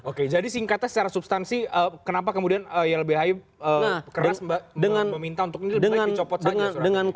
oke jadi singkatnya secara substansi kenapa kemudian ylbhi keras meminta untuk ini lebih baik dicopot saja